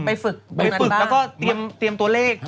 ไปฝึกแล้วก็เตรียมตัวเลข